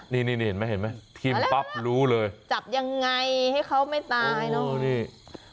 นี่นี่เห็นไหมเห็นไหมทิ้มปั๊บรู้เลยจับยังไงให้เขาไม่ตายเนอะ